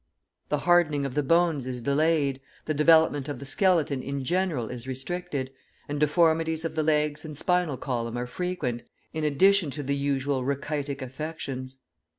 The hardening of the bones is delayed, the development of the skeleton in general is restricted, and deformities of the legs and spinal column are frequent, in addition to the usual rachitic affections.